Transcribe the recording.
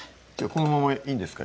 このままいいんですか？